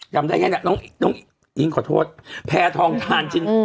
จำได้ไงเนี่ยน้องน้องอิงขอโทษแพทองทานอืม